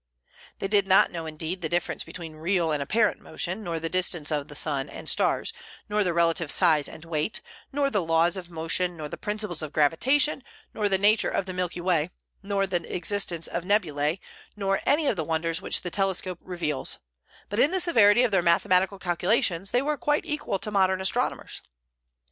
They did not know, indeed, the difference between real and apparent motion, nor the distance of the sun and stars, nor their relative size and weight, nor the laws of motion, nor the principles of gravitation, nor the nature of the Milky Way, nor the existence of nebulae, nor any of the wonders which the telescope reveals; but in the severity of their mathematical calculations they were quite equal to modern astronomers.